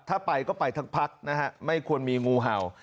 ถ้าไปก็ไปทั้งพักนะฮะไม่ควรมีงูเห่า